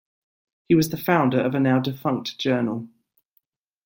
He was the founder of a now-defunct journal.